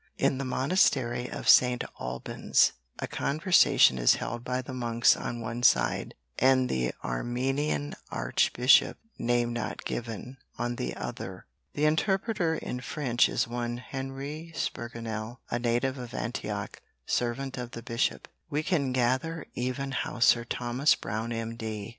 In the monastery of St. Albans a conversation is held by the monks on one side and the Armenian Archbishop name not given, on the other. The interpreter in French is one Henri Spigurnel a native of Antioch, servant of the bishop. We can gather even how Sir Thomas Brown M. D.